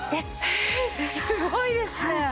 すごいですね。